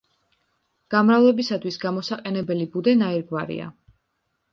გამრავლებისათვის გამოსაყენებელი ბუდე ნაირგვარია.